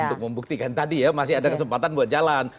untuk membuktikan tadi ya masih ada kesempatan buat jalan